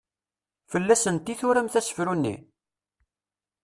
Fell-asent i turamt asefru-nni?